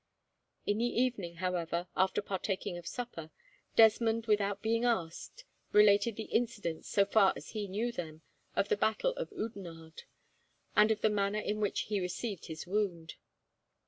In the evening, however, after partaking of supper, Desmond, without being asked, related the incidents, so far as he knew them, of the battle of Oudenarde, and of the manner in which he received his wound.